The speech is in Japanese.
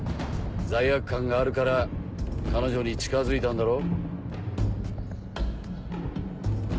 罪悪感があるから彼女に近づいたんだろ？